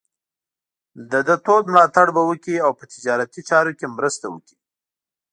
د ده تود ملاتړ به وکړي او په تجارتي چارو کې مرسته وکړي.